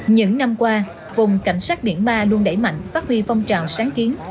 những năm qua vùng cảnh sát biển ba luôn đẩy mạnh phát huy phong trào sáng kiến